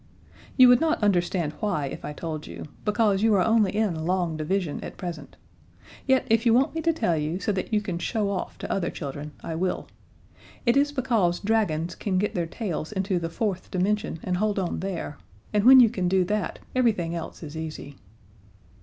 You would not understand why if I told you because you are only in long division at present; yet if you want me to tell you, so that you can show off to other children, I will. It is because dragons can get their tails into the fourth dimension and hold on there, and when you can do that everything else is easy.